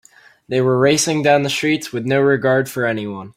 They were racing down the streets with no regard for anyone.